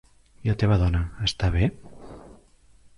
I la teva dona, està bé?